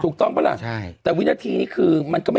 ถูกต้องปะล่ะใช่แต่วินาทีนี้คือมันก็ไม่